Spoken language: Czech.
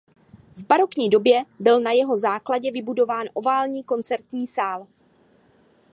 V barokní době byl na jeho základě vybudován oválný koncertní sál.